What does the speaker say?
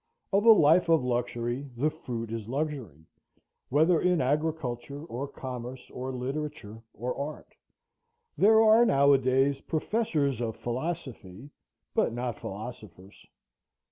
Of a life of luxury the fruit is luxury, whether in agriculture, or commerce, or literature, or art. There are nowadays professors of philosophy, but not philosophers.